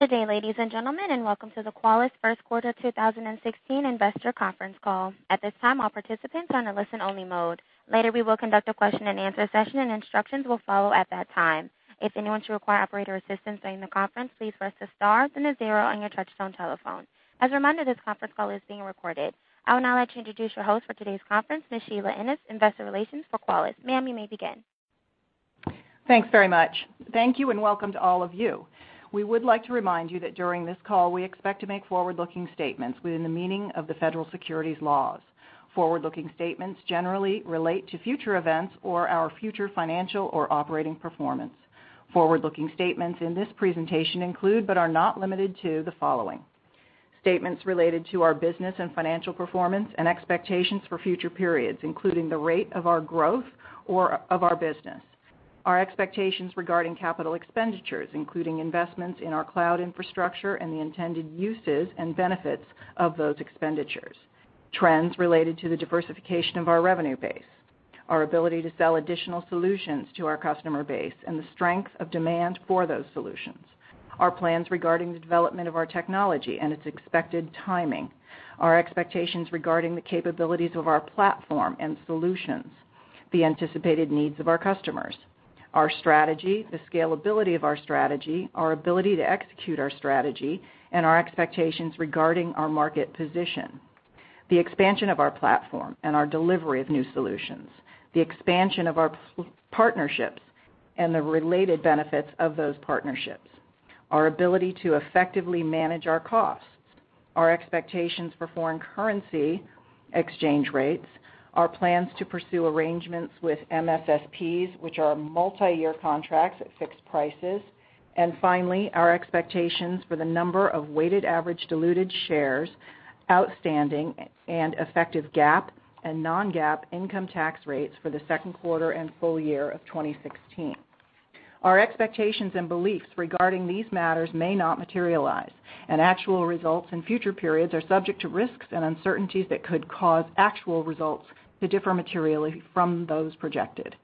Good day, ladies and gentlemen, and welcome to the Qualys first quarter 2016 investor conference call. At this time, all participants are on a listen-only mode. Later, we will conduct a question and answer session, and instructions will follow at that time. If anyone should require operator assistance during the conference, please press the star then the zero on your touch-tone telephone. As a reminder, this conference call is being recorded. I would now like to introduce your host for today's conference, Ms. Sheila Ennis, investor relations for Qualys. Ma'am, you may begin. Thanks very much. Thank you and welcome to all of you. We would like to remind you that during this call, we expect to make forward-looking statements within the meaning of the federal securities laws. Forward-looking statements generally relate to future events or our future financial or operating performance. Forward-looking statements in this presentation include, but are not limited to, the following. Statements related to our business and financial performance and expectations for future periods, including the rate of our growth or of our business. Our expectations regarding capital expenditures, including investments in our cloud infrastructure and the intended uses and benefits of those expenditures. Trends related to the diversification of our revenue base. Our ability to sell additional solutions to our customer base and the strength of demand for those solutions. Our plans regarding the development of our technology and its expected timing. Our expectations regarding the capabilities of our platform and solutions. The anticipated needs of our customers. Our strategy, the scalability of our strategy, our ability to execute our strategy, and our expectations regarding our market position. The expansion of our platform and our delivery of new solutions. The expansion of our partnerships and the related benefits of those partnerships. Our ability to effectively manage our costs. Our expectations for foreign currency exchange rates. Our plans to pursue arrangements with MSSPs, which are multi-year contracts at fixed prices. Finally, our expectations for the number of weighted average diluted shares outstanding and effective GAAP and non-GAAP income tax rates for the second quarter and full year of 2016. Our expectations and beliefs regarding these matters may not materialize, and actual results in future periods are subject to risks and uncertainties that could cause actual results to differ materially from those projected.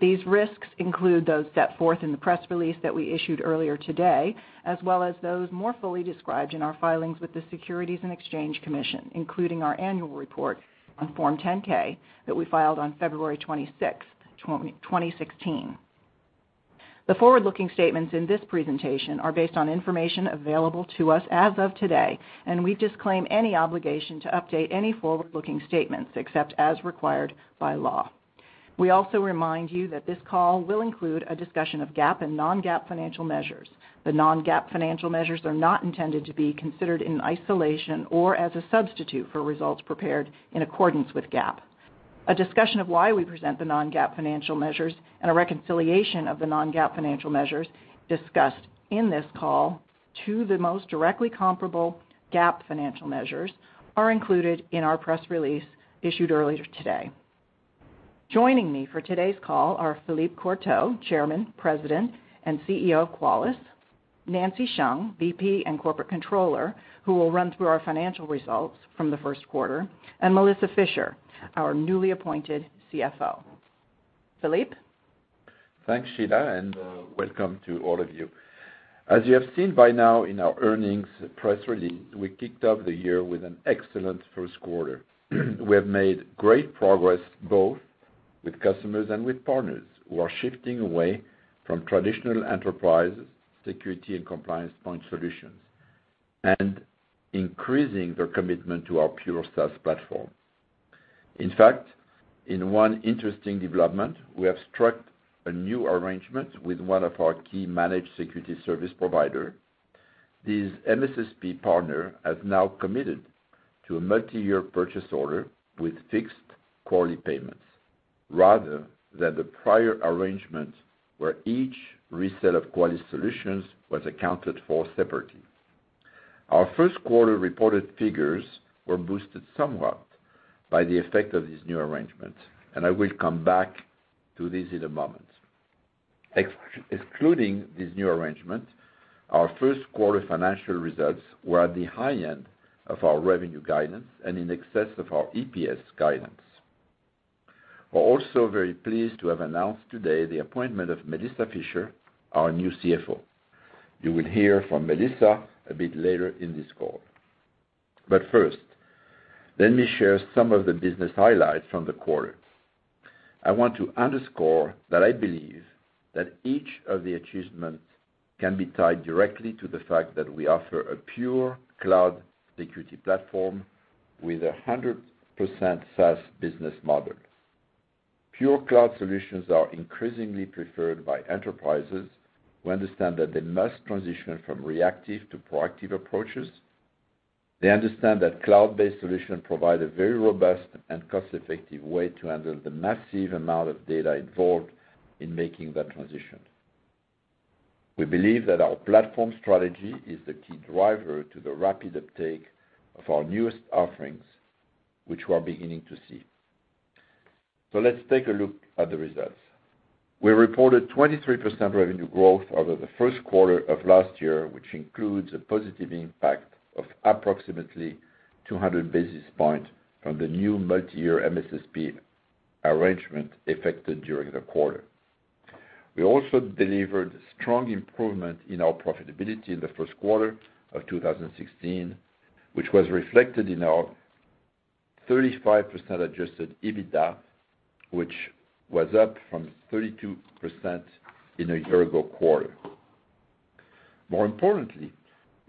These risks include those set forth in the press release that we issued earlier today, as well as those more fully described in our filings with the Securities and Exchange Commission, including our annual report on Form 10-K that we filed on February 26, 2016. The forward-looking statements in this presentation are based on information available to us as of today, and we disclaim any obligation to update any forward-looking statements, except as required by law. We also remind you that this call will include a discussion of GAAP and non-GAAP financial measures. The non-GAAP financial measures are not intended to be considered in isolation or as a substitute for results prepared in accordance with GAAP. A discussion of why we present the non-GAAP financial measures and a reconciliation of the non-GAAP financial measures discussed in this call to the most directly comparable GAAP financial measures are included in our press release issued earlier today. Joining me for today's call are Philippe Courtot, chairman, president, and CEO of Qualys; Nancy Hsiang, VP and corporate controller, who will run through our financial results from the first quarter; and Melissa Fisher, our newly appointed CFO. Philippe? Thanks, Sheila. Welcome to all of you. As you have seen by now in our earnings press release, we kicked off the year with an excellent first quarter. We have made great progress both with customers and with partners who are shifting away from traditional enterprise security and compliance point solutions and increasing their commitment to our pure SaaS platform. In fact, in one interesting development, we have struck a new arrangement with one of our key managed security service provider. This MSSP partner has now committed to a multi-year purchase order with fixed quarterly payments, rather than the prior arrangement where each resale of Qualys solutions was accounted for separately. Our first quarter reported figures were boosted somewhat by the effect of this new arrangement. I will come back to this in a moment. Excluding this new arrangement, our first quarter financial results were at the high end of our revenue guidance and in excess of our EPS guidance. We're also very pleased to have announced today the appointment of Melissa Fisher, our new CFO. You will hear from Melissa a bit later in this call. First, let me share some of the business highlights from the quarter. I want to underscore that I believe that each of the achievements can be tied directly to the fact that we offer a pure cloud security platform with a 100% SaaS business model. Pure cloud solutions are increasingly preferred by enterprises who understand that they must transition from reactive to proactive approaches. They understand that cloud-based solutions provide a very robust and cost-effective way to handle the massive amount of data involved in making that transition. We believe that our platform strategy is the key driver to the rapid uptake of our newest offerings, which we are beginning to see. Let's take a look at the results. We reported 23% revenue growth over the first quarter of last year, which includes a positive impact of approximately 200 basis points from the new multi-year MSSP arrangement effected during the quarter. We also delivered strong improvement in our profitability in the first quarter of 2016, which was reflected in our 35% adjusted EBITDA, which was up from 32% in a year-ago quarter. More importantly,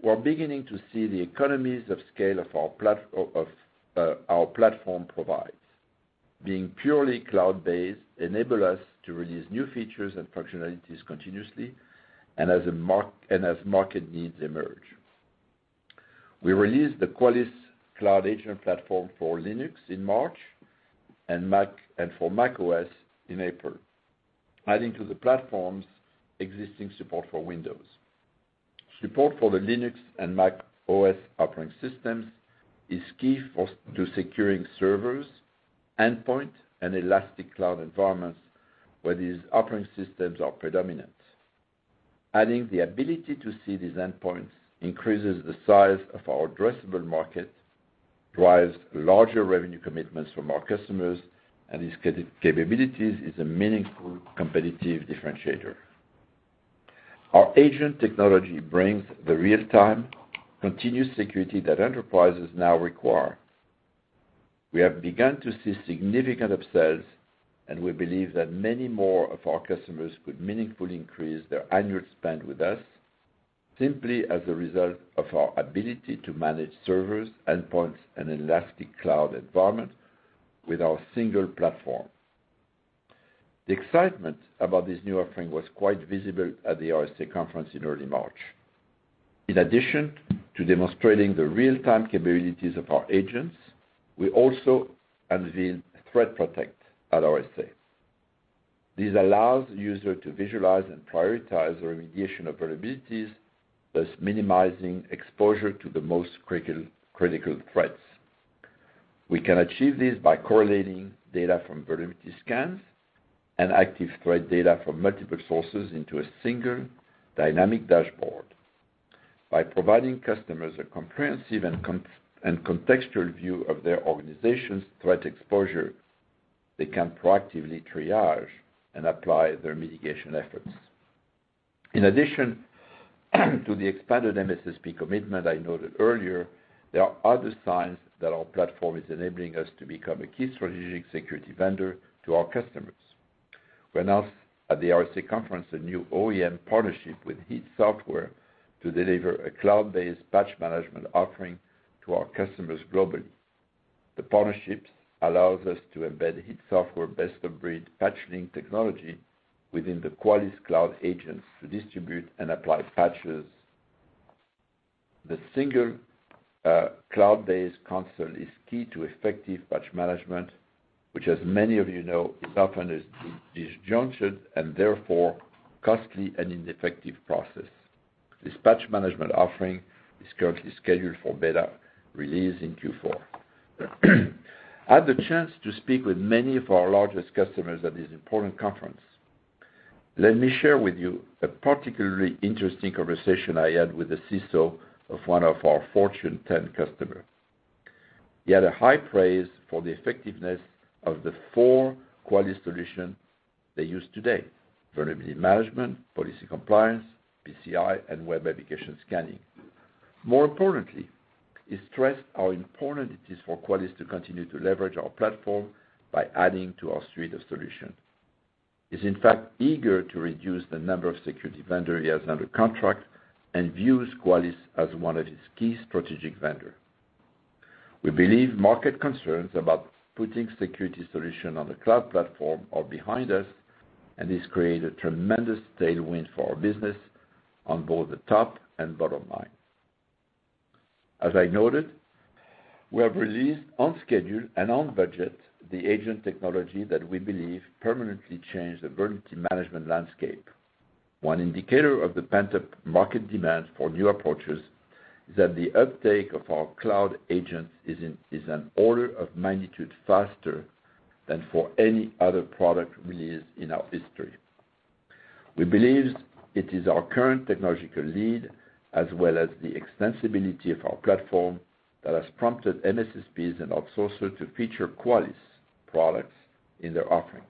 we're beginning to see the economies of scale of our platform provides. Being purely cloud-based enable us to release new features and functionalities continuously and as market needs emerge. We released the Qualys Cloud Agent platform for Linux in March and for macOS in April, adding to the platform's existing support for Windows. Support for the Linux and Mac OS X operating systems is key to securing servers, endpoint and elastic cloud environments where these operating systems are predominant. Adding the ability to see these endpoints increases the size of our addressable market, drives larger revenue commitments from our customers, and this capability is a meaningful competitive differentiator. Our agent technology brings the real-time continuous security that enterprises now require. We have begun to see significant upsells, and we believe that many more of our customers could meaningfully increase their annual spend with us simply as a result of our ability to manage servers, endpoints, and elastic cloud environment with our single platform. The excitement about this new offering was quite visible at the RSA Conference in early March. In addition to demonstrating the real-time capabilities of our agents, we also unveiled ThreatPROTECT at RSA. This allows the user to visualize and prioritize the remediation of vulnerabilities, thus minimizing exposure to the most critical threats. We can achieve this by correlating data from vulnerability scans and active threat data from multiple sources into a single dynamic dashboard. By providing customers a comprehensive and contextual view of their organization's threat exposure, they can proactively triage and apply their mitigation efforts. In addition to the expanded MSSP commitment I noted earlier, there are other signs that our platform is enabling us to become a key strategic security vendor to our customers. We announced at the RSA Conference a new OEM partnership with HEAT Software to deliver a cloud-based patch management offering to our customers globally. The partnership allows us to embed HEAT Software best-of-breed PatchLink technology within the Qualys Cloud Agents to distribute and apply patches. The single cloud-based console is key to effective patch management, which as many of you know, is often a disjunction and therefore costly and ineffective process. This patch management offering is currently scheduled for beta release in Q4. I had the chance to speak with many of our largest customers at this important conference. Let me share with you a particularly interesting conversation I had with the CISO of one of our Fortune 10 customers. He had a high praise for the effectiveness of the four Qualys solutions they use today: vulnerability management, policy compliance, PCI, and Web Application Scanning. More importantly, he stressed how important it is for Qualys to continue to leverage our platform by adding to our suite of solutions. He's in fact eager to reduce the number of security vendors he has under contract and views Qualys as one of his key strategic vendors. We believe market concerns about putting security solutions on the cloud platform are behind us, and this created a tremendous tailwind for our business on both the top and bottom line. As I noted, we have released on schedule and on budget, the agent technology that we believe permanently changed the vulnerability management landscape. One indicator of the pent-up market demand for new approaches is that the uptake of our Cloud Agents is an order of magnitude faster than for any other product released in our history. We believe it is our current technological lead, as well as the extensibility of our platform, that has prompted MSSPs and outsourcers to feature Qualys products in their offering.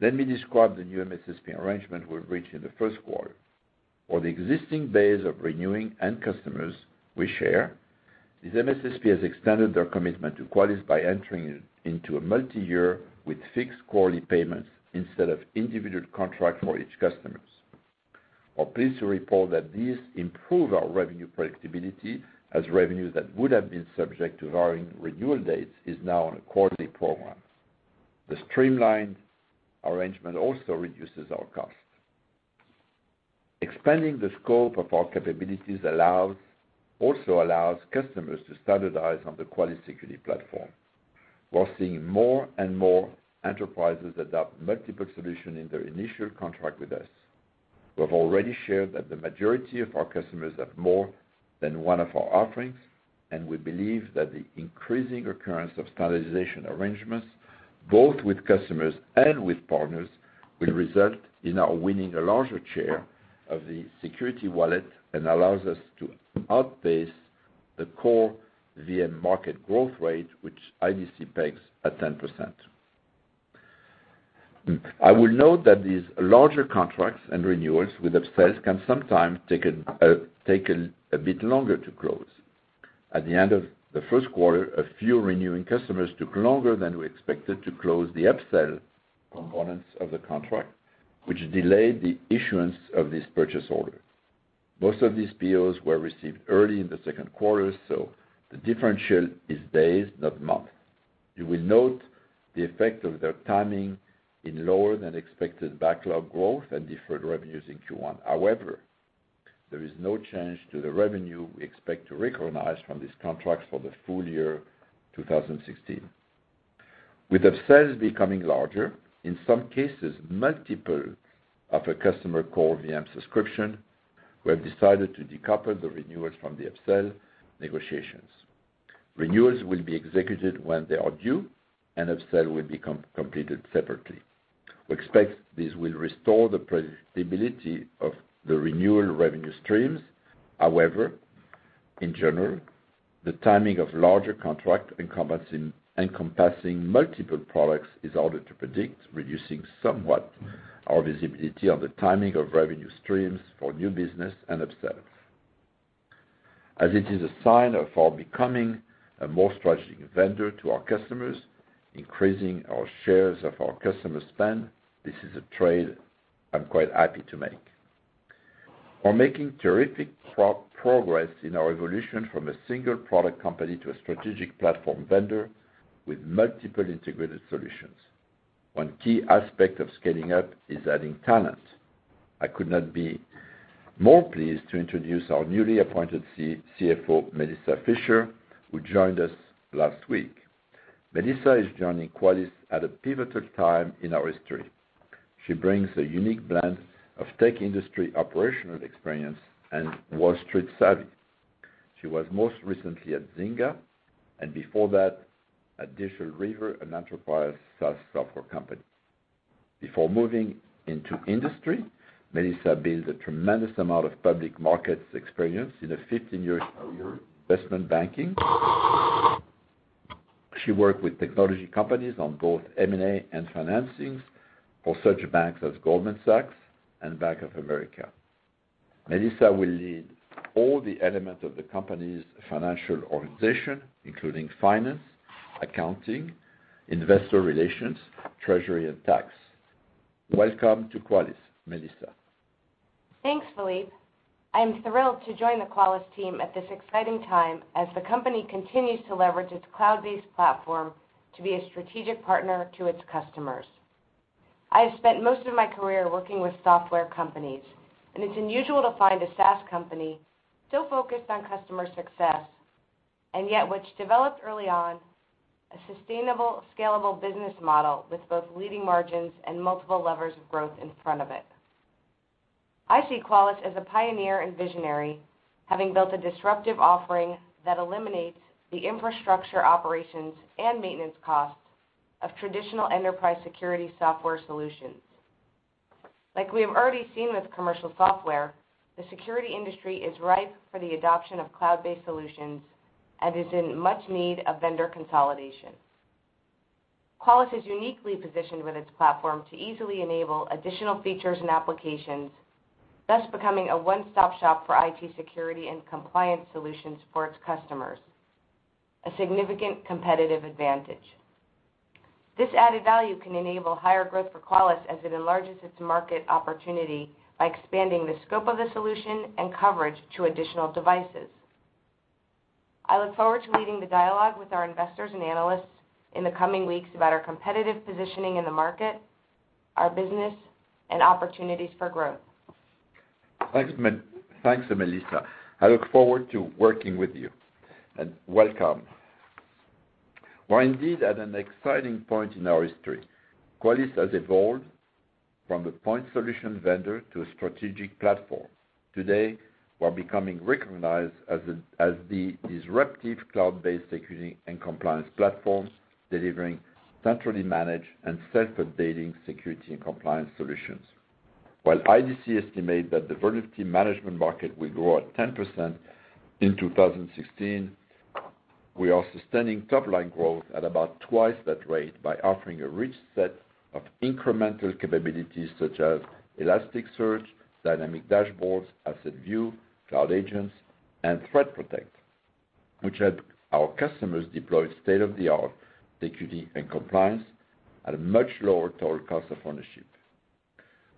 Let me describe the new MSSP arrangement we've reached in the first quarter. For the existing base of renewing end customers we share, these MSSP has extended their commitment to Qualys by entering into a multiyear with fixed quarterly payments instead of individual contract for each customer. I'm pleased to report that this improved our revenue predictability as revenue that would have been subject to varying renewal dates is now on a quarterly program. The streamlined arrangement also reduces our costs. Expanding the scope of our capabilities also allows customers to standardize on the Qualys security platform. We're seeing more and more enterprises adopt multiple solutions in their initial contract with us. We have already shared that the majority of our customers have more than one of our offerings. We believe that the increasing occurrence of standardization arrangements, both with customers and with partners will result in our winning a larger share of the security wallet and allows us to outpace the core VM market growth rate, which IDC pegs at 10%. I will note that these larger contracts and renewals with upsells can sometimes take a bit longer to close. At the end of the first quarter, a few renewing customers took longer than we expected to close the upsell components of the contract, which delayed the issuance of this purchase order. Most of these POs were received early in the second quarter, so the differential is days, not months. You will note the effect of their timing in lower than expected backlog growth and deferred revenues in Q1. There is no change to the revenue we expect to recognize from these contracts for the full year 2016. With upsells becoming larger, in some cases, multiple of a customer core VM subscription, we have decided to decouple the renewals from the upsell negotiations. Renewals will be executed when they are due and upsell will be completed separately. We expect this will restore the predictability of the renewal revenue streams. In general, the timing of larger contract encompassing multiple products is harder to predict, reducing somewhat our visibility on the timing of revenue streams for new business and upsells. As it is a sign of our becoming a more strategic vendor to our customers, increasing our shares of our customer spend, this is a trade I'm quite happy to make. We're making terrific progress in our evolution from a single product company to a strategic platform vendor with multiple integrated solutions. One key aspect of scaling up is adding talent. I could not be more pleased to introduce our newly appointed CFO, Melissa Fisher, who joined us last week. Melissa is joining Qualys at a pivotal time in our history. She brings a unique blend of tech industry operational experience and Wall Street savvy. She was most recently at Zynga, and before that at Digital River, an enterprise SaaS software company. Before moving into industry, Melissa built a tremendous amount of public markets experience in a 15-year career in investment banking. She worked with technology companies on both M&A and financings for such banks as Goldman Sachs and Bank of America. Melissa will lead all the elements of the company's financial organization, including finance, accounting, investor relations, treasury, and tax. Welcome to Qualys, Melissa. Thanks, Philippe. I'm thrilled to join the Qualys team at this exciting time as the company continues to leverage its cloud-based platform to be a strategic partner to its customers. I have spent most of my career working with software companies, it's unusual to find a SaaS company so focused on customer success, yet which developed early on a sustainable, scalable business model with both leading margins and multiple levers of growth in front of it. I see Qualys as a pioneer and visionary, having built a disruptive offering that eliminates the infrastructure operations and maintenance costs of traditional enterprise security software solutions. Like we have already seen with commercial software, the security industry is ripe for the adoption of cloud-based solutions and is in much need of vendor consolidation. Qualys is uniquely positioned with its platform to easily enable additional features and applications, thus becoming a one-stop shop for IT security and compliance solutions for its customers, a significant competitive advantage. This added value can enable higher growth for Qualys as it enlarges its market opportunity by expanding the scope of the solution and coverage to additional devices. I look forward to leading the dialogue with our investors and analysts in the coming weeks about our competitive positioning in the market, our business, and opportunities for growth. Thanks, Melissa. I look forward to working with you. Welcome. We're indeed at an exciting point in our history. Qualys has evolved from a point solution vendor to a strategic platform. Today, we're becoming recognized as the disruptive cloud-based security and compliance platform delivering centrally managed and self-updating security and compliance solutions. While IDC estimates that the vulnerability management market will grow at 10% in 2016, we are sustaining top-line growth at about twice that rate by offering a rich set of incremental capabilities such as Elasticsearch, dynamic dashboards, Asset View, Cloud Agents, and Threat Protect, which help our customers deploy state-of-the-art security and compliance at a much lower total cost of ownership.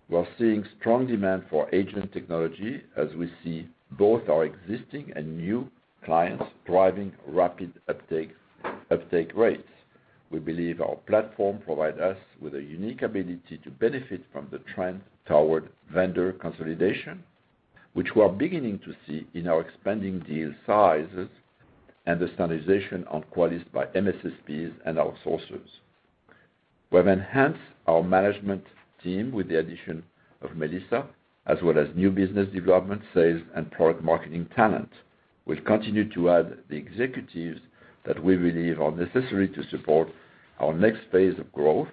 We are seeing strong demand for agent technology as we see both our existing and new clients driving rapid uptake rates. We believe our platform provides us with a unique ability to benefit from the trend toward vendor consolidation, which we are beginning to see in our expanding deal sizes and the standardization on Qualys by MSSPs and outsourcers. We have enhanced our management team with the addition of Melissa, as well as new business development, sales, and product marketing talent. We'll continue to add the executives that we believe are necessary to support our next phase of growth.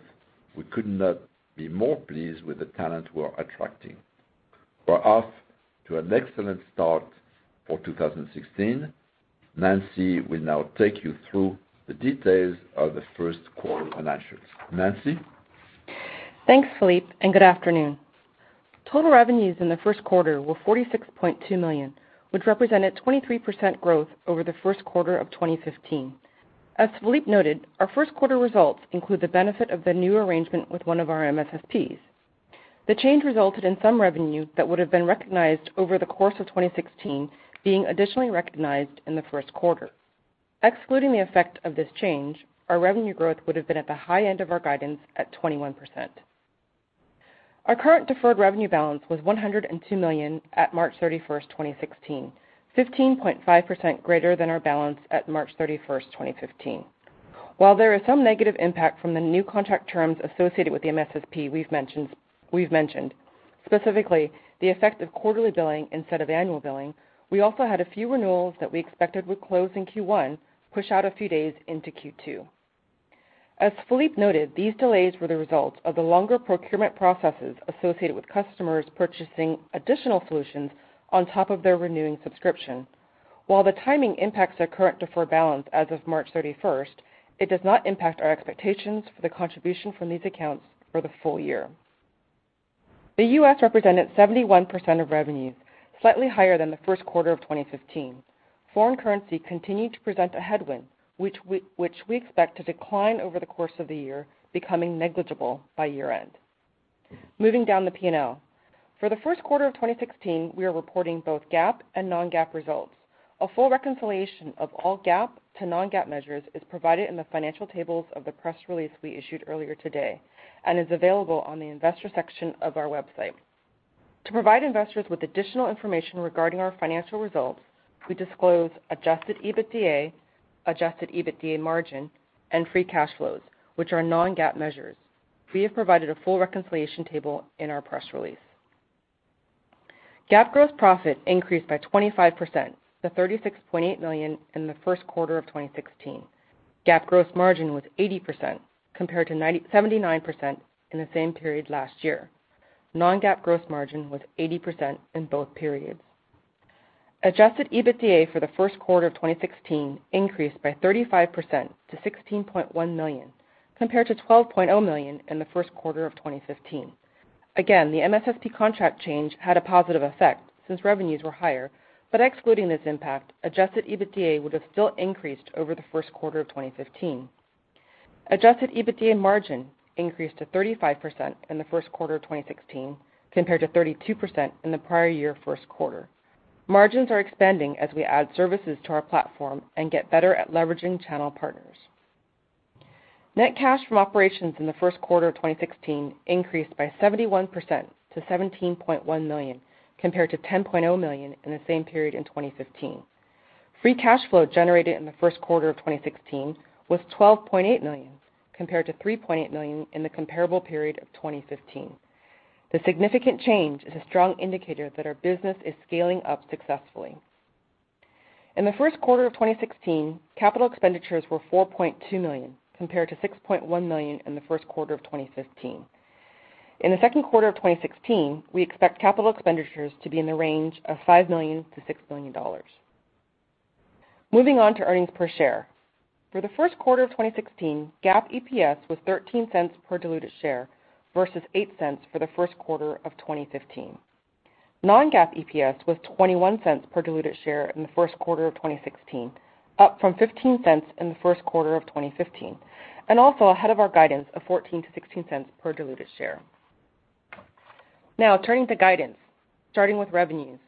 We could not be more pleased with the talent we're attracting. We're off to an excellent start for 2016. Nancy will now take you through the details of the first quarter financials. Nancy. Thanks, Philippe, and good afternoon. Total revenues in the first quarter were $46.2 million, which represented 23% growth over the first quarter of 2015. As Philippe noted, our first quarter results include the benefit of the new arrangement with one of our MSSPs. The change resulted in some revenue that would have been recognized over the course of 2016, being additionally recognized in the first quarter. Excluding the effect of this change, our revenue growth would have been at the high end of our guidance at 21%. Our current deferred revenue balance was $102 million at March 31, 2016, 15.5% greater than our balance at March 31, 2015. While there is some negative impact from the new contract terms associated with the MSSP we've mentioned, specifically the effect of quarterly billing instead of annual billing, we also had a few renewals that we expected would close in Q1 push out a few days into Q2. As Philippe noted, these delays were the result of the longer procurement processes associated with customers purchasing additional solutions on top of their renewing subscription. While the timing impacts our current deferred balance as of March 31, it does not impact our expectations for the contribution from these accounts for the full year. The U.S. represented 71% of revenues, slightly higher than the first quarter of 2015. Foreign currency continued to present a headwind, which we expect to decline over the course of the year, becoming negligible by year-end. Moving down the P&L. For the first quarter of 2016, we are reporting both GAAP and non-GAAP results. A full reconciliation of all GAAP to non-GAAP measures is provided in the financial tables of the press release we issued earlier today and is available on the investor section of our website. To provide investors with additional information regarding our financial results, we disclose adjusted EBITDA, adjusted EBITDA margin, and free cash flows, which are non-GAAP measures. We have provided a full reconciliation table in our press release. GAAP gross profit increased by 25% to $36.8 million in the first quarter of 2016. GAAP gross margin was 80% compared to 79% in the same period last year. Non-GAAP gross margin was 80% in both periods. Adjusted EBITDA for the first quarter of 2016 increased by 35% to $16.1 million, compared to $12.0 million in the first quarter of 2015. The MSSP contract change had a positive effect since revenues were higher, but excluding this impact, adjusted EBITDA would have still increased over the first quarter of 2015. Adjusted EBITDA margin increased to 35% in the first quarter of 2016 compared to 32% in the prior year first quarter. Margins are expanding as we add services to our platform and get better at leveraging channel partners. Net cash from operations in the first quarter of 2016 increased by 71% to $17.1 million, compared to $10.0 million in the same period in 2015. Free cash flow generated in the first quarter of 2016 was $12.8 million, compared to $3.8 million in the comparable period of 2015. The significant change is a strong indicator that our business is scaling up successfully. In the first quarter of 2016, capital expenditures were $4.2 million, compared to $6.1 million in the first quarter of 2015. In the second quarter of 2016, we expect capital expenditures to be in the range of $5 million to $6 million. Moving on to earnings per share. For the first quarter of 2016, GAAP EPS was $0.13 per diluted share versus $0.08 for the first quarter of 2015. Non-GAAP EPS was $0.21 per diluted share in the first quarter of 2016, up from $0.15 in the first quarter of 2015, and also ahead of our guidance of $0.14-$0.16 per diluted share. Turning to guidance, starting with revenues.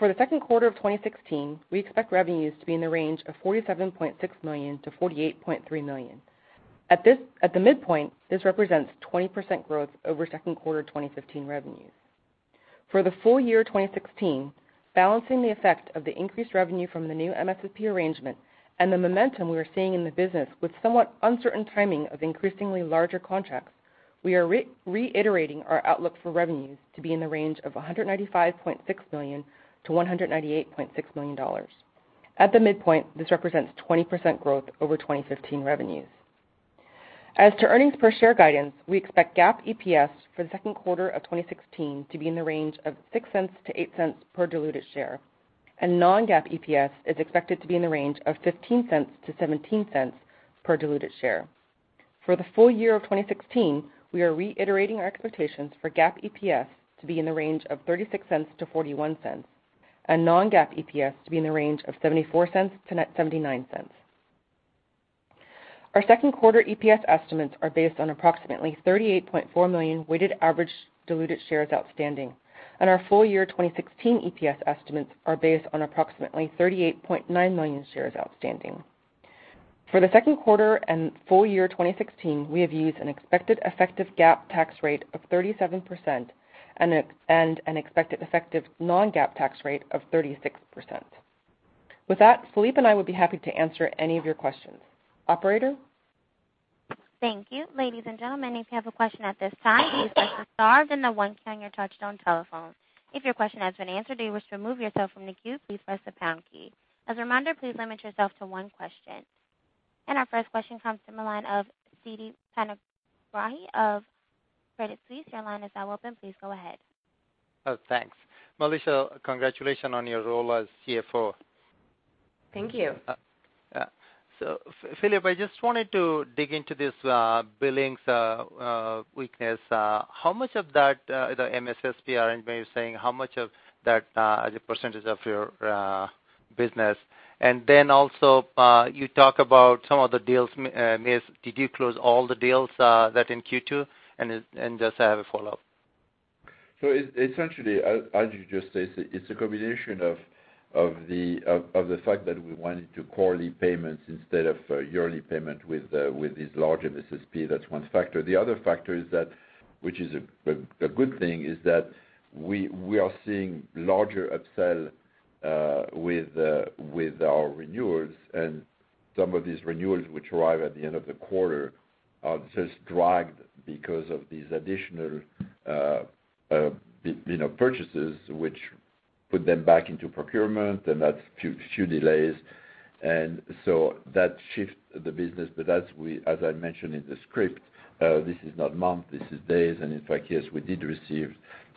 For the second quarter of 2016, we expect revenues to be in the range of $47.6 million-$48.3 million. At the midpoint, this represents 20% growth over second quarter 2015 revenues. For the full year 2016, balancing the effect of the increased revenue from the new MSSP arrangement and the momentum we are seeing in the business with somewhat uncertain timing of increasingly larger contracts, we are reiterating our outlook for revenues to be in the range of $195.6 million-$198.6 million. At the midpoint, this represents 20% growth over 2015 revenues. As to earnings per share guidance, we expect GAAP EPS for the second quarter of 2016 to be in the range of $0.06-$0.08 per diluted share, and non-GAAP EPS is expected to be in the range of $0.15-$0.17 per diluted share. For the full year of 2016, we are reiterating our expectations for GAAP EPS to be in the range of $0.36-$0.41 and non-GAAP EPS to be in the range of $0.74-$0.79. Our second quarter EPS estimates are based on approximately 38.4 million weighted average diluted shares outstanding, and our full-year 2016 EPS estimates are based on approximately 38.9 million shares outstanding. For the second quarter and full year 2016, we have used an expected effective GAAP tax rate of 37% and an expected effective non-GAAP tax rate of 36%. With that, Philippe and I would be happy to answer any of your questions. Operator? Thank you. Ladies and gentlemen, if you have a question at this time, please press the star then the one key on your touch-tone telephone. If your question has been answered or you wish to remove yourself from the queue, please press the pound key. As a reminder, please limit yourself to one question. Our first question comes from the line of Sitikantha Panigrahi of Credit Suisse. Your line is now open. Please go ahead. Thanks. Melissa, congratulations on your role as CFO. Thank you. Philippe, I just wanted to dig into this billings weakness. How much of that, the MSSP R&D, you're saying, how much of that as a percentage of your business? Also, you talk about some of the deals missed. Did you close all the deals that are in Q2? Just I have a follow-up. Essentially, as you just said, it's a combination of the fact that we wanted quarterly payments instead of yearly payment with these large MSSP, that's one factor. The other factor, which is a good thing, is that we are seeing larger upsell with our renewals, and some of these renewals, which arrive at the end of the quarter, are just dragged because of these additional purchases, which put them back into procurement, and that's few delays. That shifts the business. As I mentioned in the script, this is not months, this is days. In fact, yes, we did receive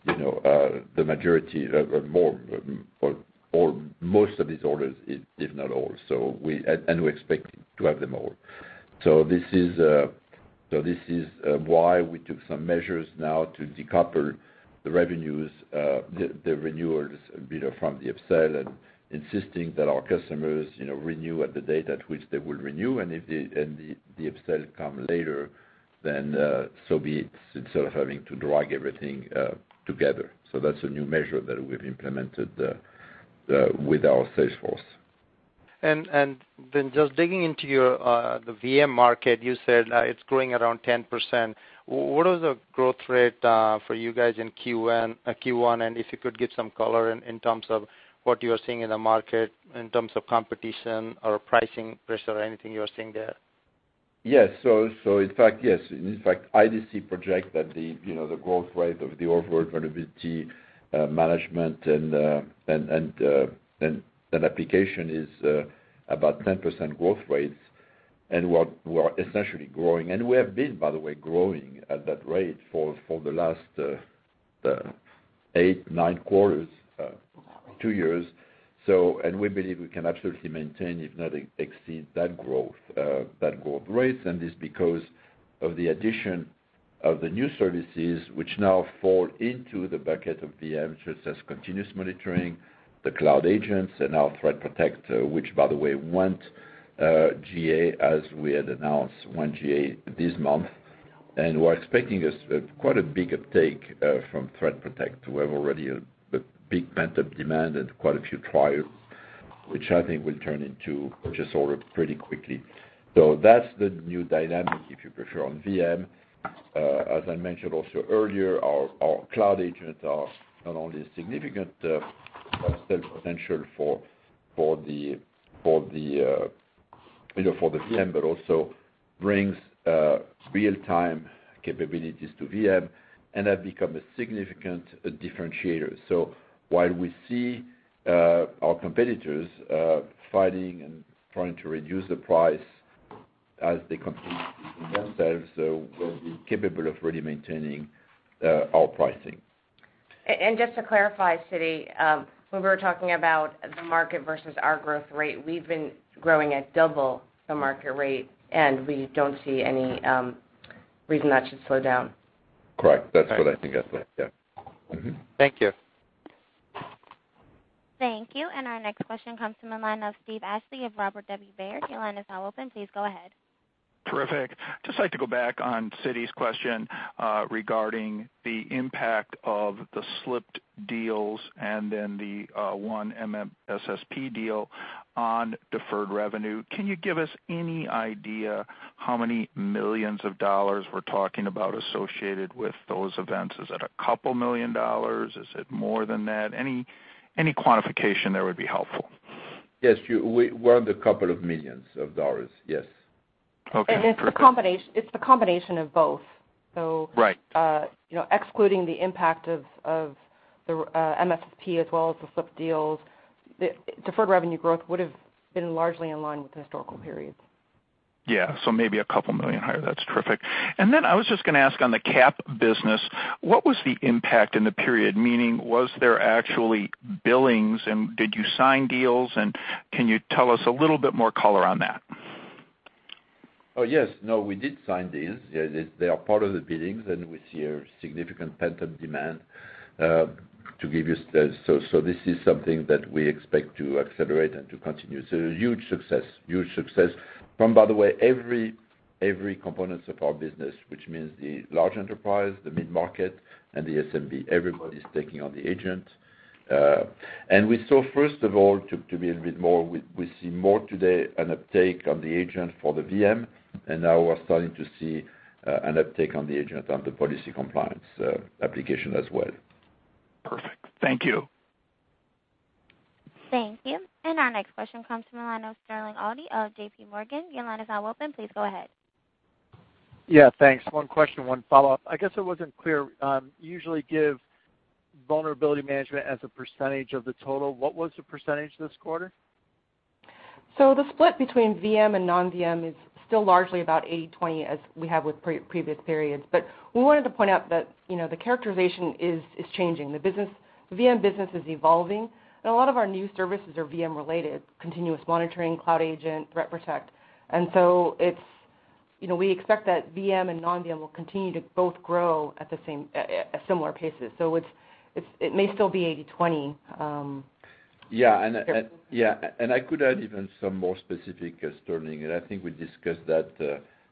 the majority or most of these orders, if not all, and we expect to have them all. This is why we took some measures now to decouple the revenues, the renewals from the upsell and insisting that our customers renew at the date at which they will renew. If the upsell come later, then so be it, instead of having to drag everything together. That's a new measure that we've implemented with our sales force. Just digging into the VM market, you said it's growing around 10%. What is the growth rate for you guys in Q1? If you could give some color in terms of what you're seeing in the market in terms of competition or pricing pressure or anything you're seeing there. Yes. In fact, IDC projects that the growth rate of the overall vulnerability management and application is about 10% growth rates, we're essentially growing. We have been, by the way, growing at that rate for the last eight, nine quarters, two years. We believe we can absolutely maintain, if not exceed that growth rate. It's because of the addition of the new services which now fall into the bucket of VM, such as continuous monitoring, the Cloud Agents and our Threat Protection, which by the way, went GA, as we had announced, went GA this month. We're expecting quite a big uptake from Threat Protection. We have already a big pent-up demand and quite a few trials, which I think will turn into purchase order pretty quickly. That's the new dynamic, if you prefer, on VM. As I mentioned also earlier, our Cloud Agents are not only a significant upsell potential for the VM, but also brings real-time capabilities to VM and have become a significant differentiator. While we see our competitors fighting and trying to reduce the price as they compete with themselves, we'll be capable of really maintaining our pricing. Just to clarify, Siti, when we're talking about the market versus our growth rate, we've been growing at double the market rate, we don't see any reason that should slow down. Correct. That's what I think I said. Yeah. Mm-hmm. Thank you. Thank you. Our next question comes from the line of Steve Ashley of Robert W. Baird. Your line is now open. Please go ahead. Terrific. Just like to go back on Siti's question regarding the impact of the slipped deals and then the one MSSP deal on deferred revenue. Can you give us any idea how many millions of dollars we're talking about associated with those events? Is it a couple million dollars? Is it more than that? Any quantification there would be helpful. Yes, we're in the couple of millions of dollars. Yes. Okay. Perfect. It's the combination of both. Right. Excluding the impact of the MSSP as well as the slipped deals, deferred revenue growth would've been largely in line with the historical periods. Yeah. Maybe a couple million higher. That's terrific. Then I was just gonna ask on the Cloud Agent business, what was the impact in the period? Meaning, was there actually billings, and did you sign deals, and can you tell us a little bit more color on that? Oh, yes. No, we did sign deals. They are part of the billings. We see a significant pent-up demand to give you. This is something that we expect to accelerate and to continue. A huge success. Huge success from, by the way, every components of our business, which means the large enterprise, the mid-market, and the SMB. Everybody's taking on the Cloud Agent. We saw, first of all, to be a bit more, we see more today an uptake on the Cloud Agent for the VM, and now we're starting to see an uptake on the Cloud Agent on the policy compliance application as well. Perfect. Thank you. Thank you. Our next question comes from Sterling Auty of J.P. Morgan. Your line is now open. Please go ahead. Yeah, thanks. One question, one follow-up. I guess it wasn't clear. You usually give vulnerability management as a percentage of the total. What was the percentage this quarter? The split between VM and non-VM is still largely about 80/20, as we have with previous periods. We wanted to point out that the characterization is changing. The VM business is evolving, a lot of our new services are VM-related, continuous monitoring, Cloud Agent, Threat Protection. We expect that VM and non-VM will continue to both grow at similar paces. It may still be 80/20. Yeah. I could add even some more specifics, Sterling, I think we discussed that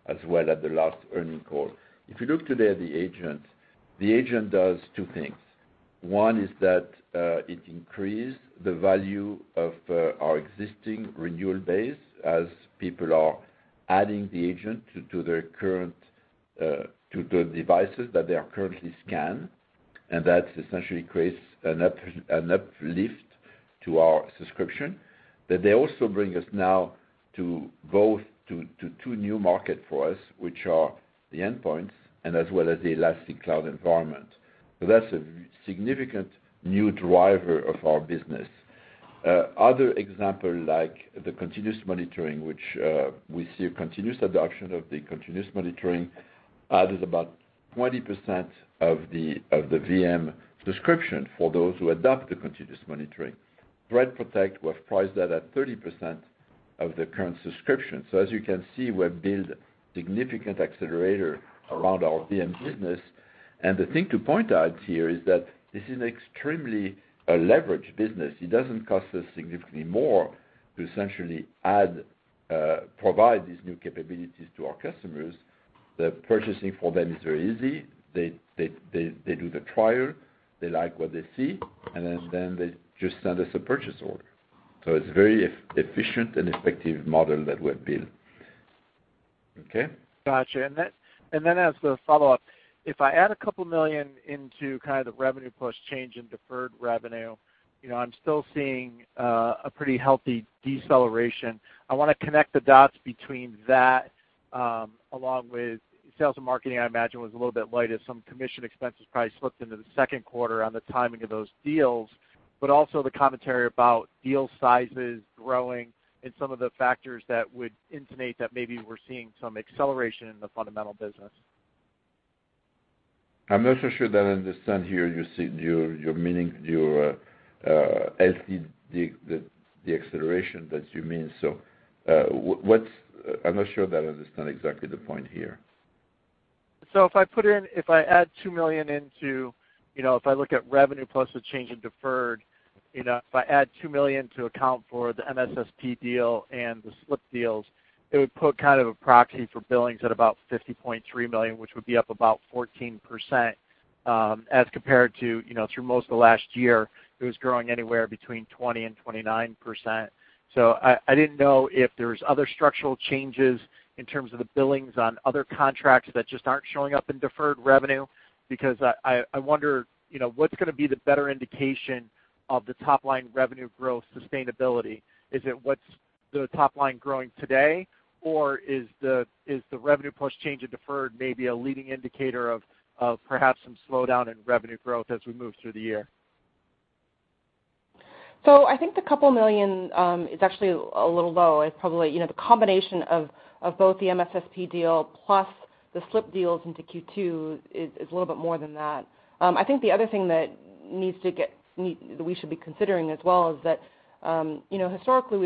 as well at the last earnings call. If you look today at the agent, the agent does two things. One is that it increased the value of our existing renewal base as people are adding the agent to the devices that they are currently scan, and that essentially creates an uplift to our subscription. They also bring us now to two new market for us, which are the endpoints and as well as the elastic cloud environment. That's a significant new driver of our business. Other example, like the continuous monitoring, which we see a continuous adoption of the continuous monitoring, added about 20% of the VM subscription for those who adopt the continuous monitoring. Threat Protection, we have priced that at 30% of the current subscription. As you can see, we have built significant accelerator around our VM business. The thing to point out here is that this is an extremely leveraged business. It doesn't cost us significantly more to essentially add, provide these new capabilities to our customers. The purchasing for them is very easy. They do the trial, they like what they see, then they just send us a purchase order. It's very efficient and effective model that we have built. Okay? Got you. As the follow-up, if I add a couple million into kind of the revenue plus change in deferred revenue, I'm still seeing a pretty healthy deceleration. I want to connect the dots between that, along with sales and marketing, I imagine was a little bit light as some commission expenses probably slipped into the second quarter on the timing of those deals, but also the commentary about deal sizes growing and some of the factors that would intimate that maybe we're seeing some acceleration in the fundamental business. I'm not so sure that I understand here, your meaning, the acceleration that you mean. I'm not sure that I understand exactly the point here. If I add $2 million into, if I look at revenue plus the change in deferred, if I add $2 million to account for the MSSP deal and the slipped deals, it would put kind of a proxy for billings at about $50.3 million, which would be up about 14%, as compared to through most of the last year, it was growing anywhere between 20%-29%. I didn't know if there was other structural changes in terms of the billings on other contracts that just aren't showing up in deferred revenue, because I wonder, what's going to be the better indication of the top-line revenue growth sustainability? Is it what's the top line growing today, or is the revenue plus change in deferred maybe a leading indicator of perhaps some slowdown in revenue growth as we move through the year? I think the couple million, it's actually a little low. It's probably the combination of both the MSSP deal plus the slipped deals into Q2 is a little bit more than that. I think the other thing that we should be considering as well is that, historically,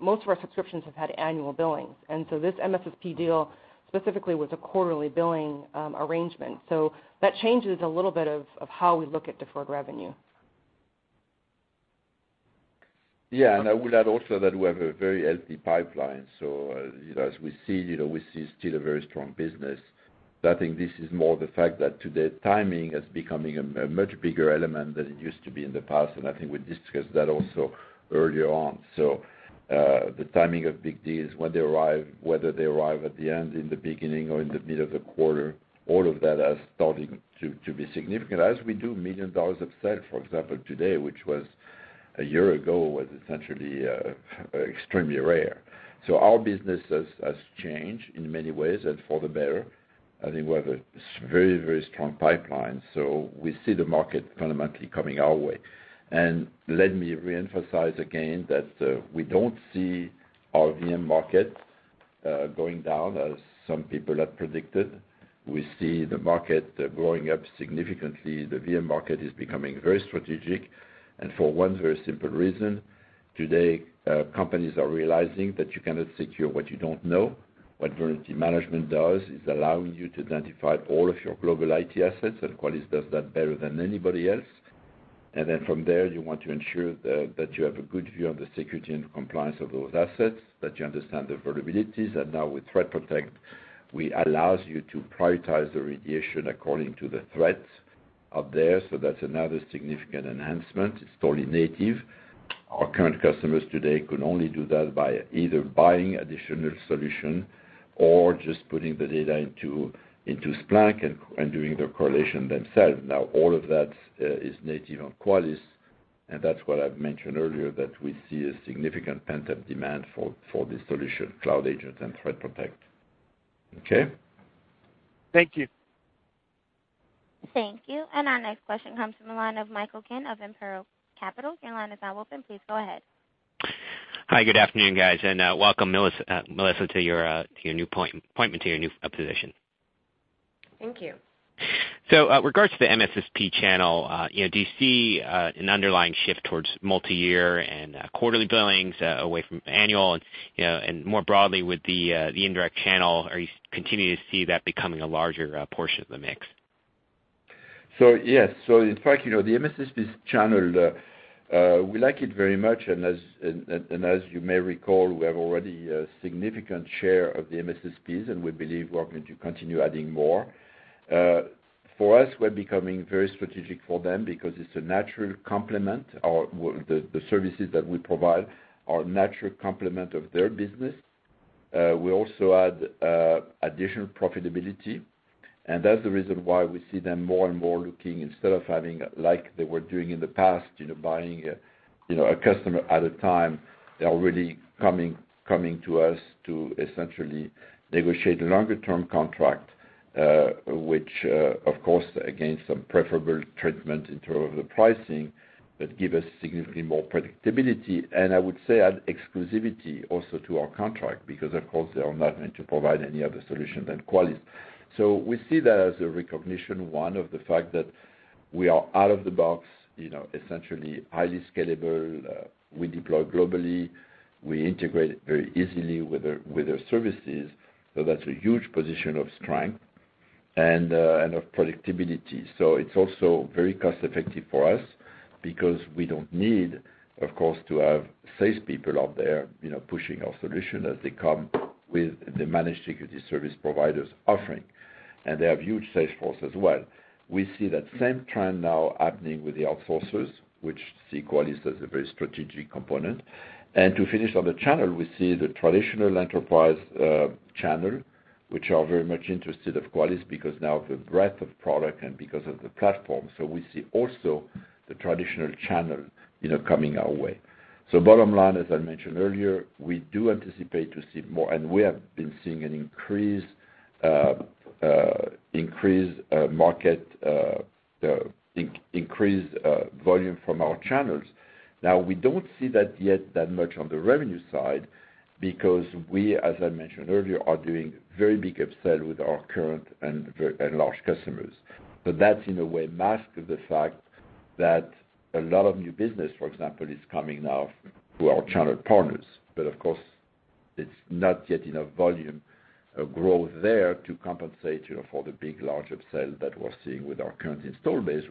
most of our subscriptions have had annual billings. This MSSP deal specifically was a quarterly billing arrangement. That changes a little bit of how we look at deferred revenue. Yeah. I will add also that we have a very healthy pipeline. As we see, we see still a very strong business. I think this is more the fact that today timing is becoming a much bigger element than it used to be in the past. I think we discussed that also earlier on. The timing of big deals, when they arrive, whether they arrive at the end, in the beginning or in the middle of the quarter, all of that are starting to be significant as we do $1 million of sales, for example, today, which was a year ago, was essentially extremely rare. Our business has changed in many ways and for the better. I think we have a very strong pipeline. We see the market fundamentally coming our way. Let me re-emphasize again that we don't see our VM market going down as some people have predicted. We see the market growing up significantly. The VM market is becoming very strategic and for one very simple reason. Today, companies are realizing that you cannot secure what you don't know. What vulnerability management does is allowing you to identify all of your global IT assets, and Qualys does that better than anybody else. From there, you want to ensure that you have a good view on the security and compliance of those assets, that you understand the vulnerabilities. Now with Threat Protection, we allows you to prioritize the remediation according to the threats out there. That's another significant enhancement. It's totally native. Our current customers today could only do that by either buying additional solution or just putting the data into Splunk and doing the correlation themselves. Now all of that is native on Qualys. That's what I've mentioned earlier, that we see a significant pent-up demand for this solution, Cloud Agent and Threat Protect. Okay? Thank you. Thank you. Our next question comes from the line of Michael Kim of Imperial Capital. Your line is now open. Please go ahead. Hi, good afternoon, guys, and welcome, Melissa, to your new appointment, to your new position. Thank you. Regards to the MSSP channel, do you see an underlying shift towards multi-year and quarterly billings away from annual and more broadly with the indirect channel? Are you continuing to see that becoming a larger portion of the mix? Yes. In fact, the MSSP's channel, we like it very much and as you may recall, we have already a significant share of the MSSPs, and we believe we're going to continue adding more. For us, we're becoming very strategic for them because it's a natural complement, or the services that we provide are a natural complement of their business. We also add additional profitability, and that's the reason why we see them more and more looking, instead of having like they were doing in the past, buying a customer at a time, they're already coming to us to essentially negotiate a longer-term contract, which, of course, again, some preferable treatment in terms of the pricing that give us significantly more predictability and I would say add exclusivity also to our contract because, of course, they are not going to provide any other solution than Qualys. We see that as a recognition, one of the fact that we are out-of-the-box essentially highly scalable, we deploy globally, we integrate very easily with their services. That's a huge position of strength and of predictability. It's also very cost-effective for us because we don't need, of course, to have salespeople out there pushing our solution as they come with the managed security service providers offering. They have huge salesforce as well. We see that same trend now happening with the outsourcers, which see Qualys as a very strategic component. To finish on the channel, we see the traditional enterprise channel, which are very much interested of Qualys because now the breadth of product and because of the platform. We see also the traditional channel coming our way. Bottom line, as I mentioned earlier, we do anticipate to see more, and we have been seeing an increased volume from our channels. We don't see that yet that much on the revenue side because we, as I mentioned earlier, are doing very big upsell with our current and large customers. That in a way masks the fact that a lot of new business, for example, is coming now through our channel partners. It's not yet enough volume of growth there to compensate for the big large upsell that we're seeing with our current install base,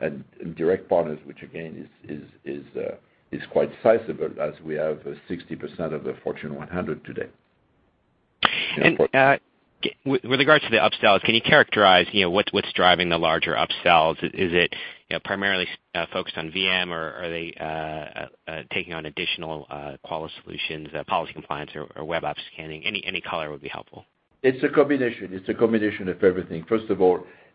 and direct partners, which again, is quite sizable as we have 60% of the Fortune 100 today. With regards to the upsells, can you characterize what's driving the larger upsells? Is it primarily focused on VM or are they taking on additional Qualys solutions, Policy Compliance or Web Application Scanning? Any color would be helpful. It's a combination of everything.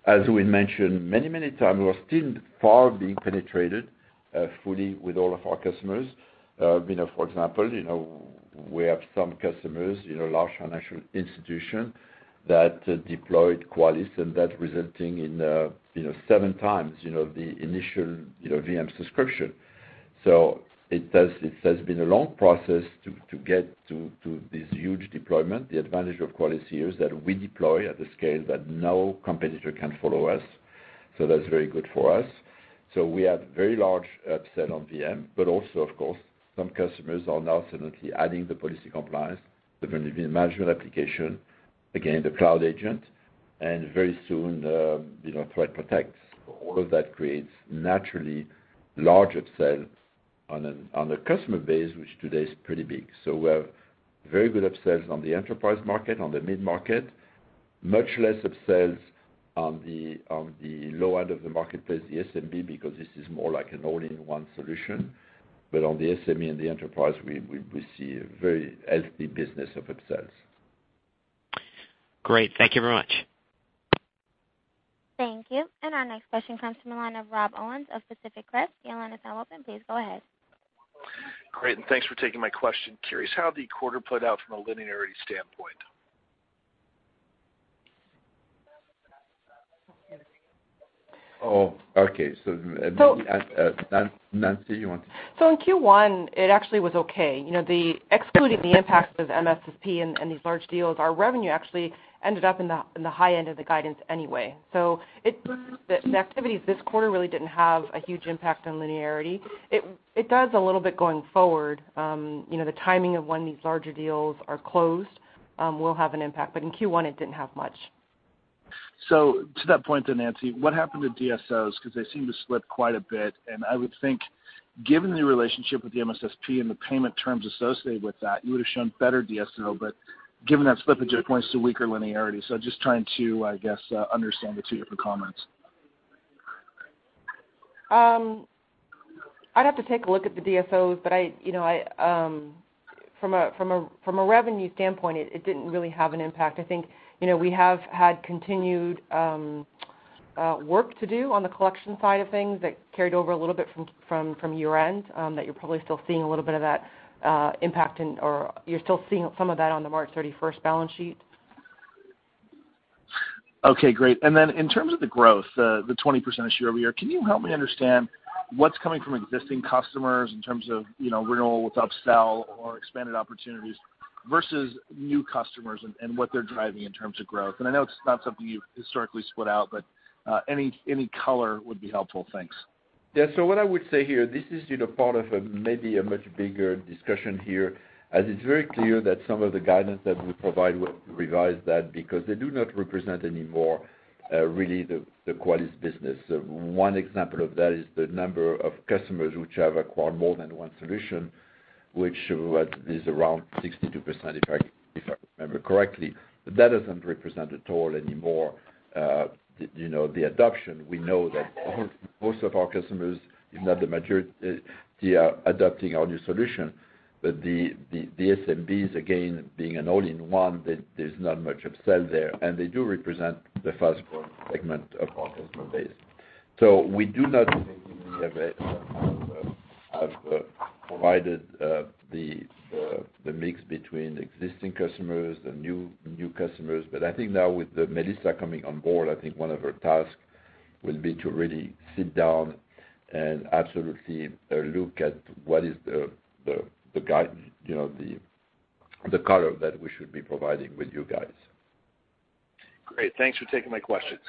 As we mentioned many times, we are still far being penetrated fully with all of our customers. We have some customers, large financial institution that deployed Qualys and that resulting in seven times the initial VM subscription. It has been a long process to get to this huge deployment. The advantage of Qualys here is that we deploy at the scale that no competitor can follow us. That's very good for us. We have very large upsell on VM, some customers are now suddenly adding the Policy Compliance, the Vulnerability Management application, again, the Cloud Agent, and very soon, Threat Protection. All of that creates naturally large upsells on a customer base, which today is pretty big. We have very good upsells on the enterprise market, on the mid-market, much less upsells on the low end of the marketplace, the SMB, because this is more like an all-in-one solution. On the SME and the enterprise, we see a very healthy business of upsells. Great. Thank you very much. Thank you. Our next question comes from the line of Rob Owens of Pacific Crest. Your line is now open. Please go ahead. Great, thanks for taking my question. Curious how the quarter played out from a linearity standpoint. Okay. Nancy, In Q1, it actually was okay. Excluding the impact of MSSP and these large deals, our revenue actually ended up in the high end of the guidance anyway. It means that the activities this quarter really didn't have a huge impact on linearity. It does a little bit going forward. The timing of when these larger deals are closed will have an impact, but in Q1, it didn't have much. To that point then, Nancy, what happened to DSOs? Because they seem to slip quite a bit, and I would think given the relationship with the MSSP and the payment terms associated with that, you would have shown better DSO, but given that slippage, it points to weaker linearity. Just trying to, I guess, understand the two different comments. I'd have to take a look at the DSOs, but I From a revenue standpoint, it didn't really have an impact. I think we have had continued work to do on the collection side of things that carried over a little bit from year-end, that you're probably still seeing a little bit of that impact or you're still seeing some of that on the March 31st balance sheet. Okay, great. Then in terms of the growth, the 20% year-over-year, can you help me understand what's coming from existing customers in terms of renewal with upsell or expanded opportunities versus new customers and what they're driving in terms of growth? I know it's not something you've historically split out, but any color would be helpful. Thanks. Yeah. What I would say here, this is part of maybe a much bigger discussion here, as it's very clear that some of the guidance that we provide, we'll revise that because they do not represent anymore really the Qualys business. One example of that is the number of customers which have acquired more than one solution, which was around 62%, if I remember correctly. That doesn't represent at all anymore the adoption. We know that most of our customers, if not the majority, they are adopting our new solution. The SMBs, again, being an all-in-one, there's not much upsell there. They do represent the fast-growing segment of our customer base. We do not have provided the mix between existing customers and new customers. I think now with Melissa coming on board, I think one of her tasks will be to really sit down and absolutely look at what is the guidance, the color that we should be providing with you guys. Great. Thanks for taking my questions.